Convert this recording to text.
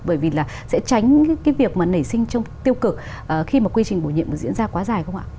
bởi vì là sẽ tránh cái việc mà nảy sinh trong tiêu cực khi mà quy trình bổ nhiệm diễn ra quá dài không ạ